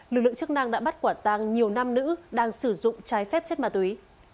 lực lượng chức năng đã bắt quả tăng nhiều nam nữ đang sử dụng trái phép chất ma túy